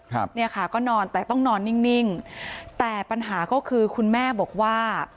ครับเนี่ยค่ะก็นอนแต่ต้องนอนนิ่งนิ่งแต่ปัญหาก็คือคุณแม่บอกว่า